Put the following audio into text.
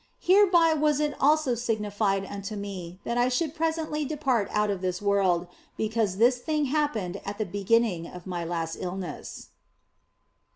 Hereby was it also signified unto me that I should presently depart out of this world, because this thing happened at the beginning of my last illness.